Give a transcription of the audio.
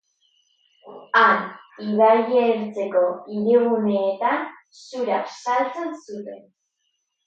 Han, ibaiertzeko hiriguneetan zura saltzen zuten.